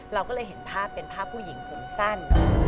เราก็เลยเห็นภาพเป็นภาพผู้หญิงผมสั้น